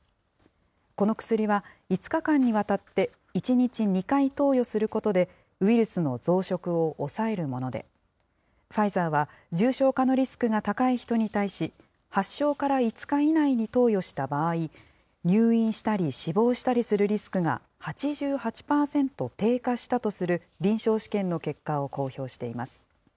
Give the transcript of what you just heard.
この薬は、５日間にわたって、１日２回投与することで、ウイルスの増殖を抑えるもので、ファイザーは、重症化のリスクが高い人に対し、発症から５日以内に投与した場合、入院したり死亡したりするリスクが８８％低下したとする、臨床試験の結果を公表しています。